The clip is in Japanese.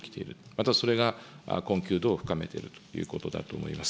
またそれが困窮度を深めてるということだと思います。